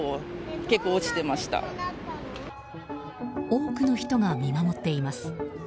多くの人が見守っています。